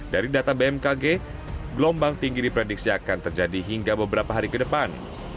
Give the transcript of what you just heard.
dari data bmkg gelombang tinggi diprediksi akan terjadi hingga beberapa hari ke depan